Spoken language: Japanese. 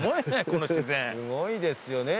すごいですよね。